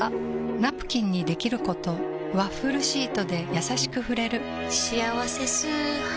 ナプキンにできることワッフルシートでやさしく触れる「しあわせ素肌」